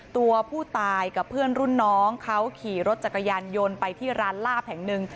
ตัวผู้ตายกับเพื่อนรุ่นน้องเขาขี่รถจักรยานยนต์ไปที่ร้านลาบแห่งหนึ่ง